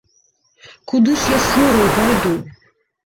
Куды ж я з хвораю пайду!